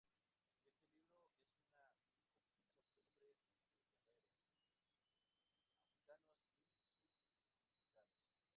Este libro es una compilación de nombres de guerreros africanos y sus significados.